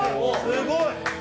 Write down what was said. すごい！